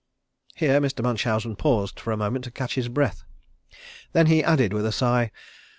Here Mr. Munchausen paused for a moment to catch his breath. Then he added with a sigh.